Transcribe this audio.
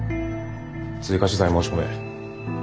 追加取材を申し込め。